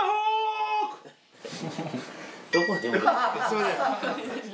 すいません。